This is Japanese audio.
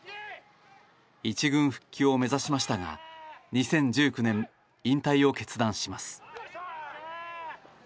１軍復帰を目指しましたが２０１９年、引退を決断します。